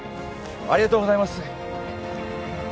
ありがとうございます。